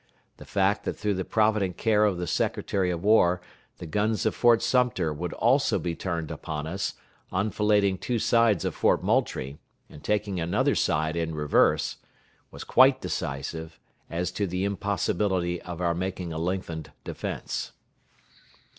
The fact that through the provident care of the Secretary of War the guns of Fort Sumter would also be turned upon us, enfilading two sides of Fort Moultrie, and taking another side in reverse, was quite decisive as to the impossibility of our making a lengthened defense.